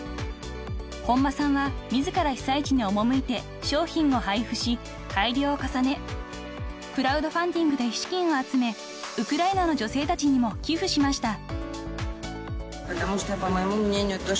［本間さんは自ら被災地に赴いて商品を配布し改良を重ねクラウドファンディングで資金を集めウクライナの女性たちにも寄付しました］